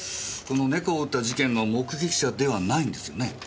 この猫を撃った事件の目撃者ではないんですよね？